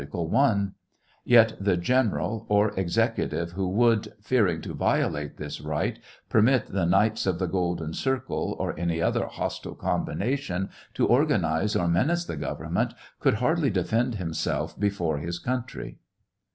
I ;) yet the general or executive who would, fearing to violate this right permit the Knights of the Golden Circle, or any other hostile combination, ti organize or menace the government, could hardly defend himself before hi country.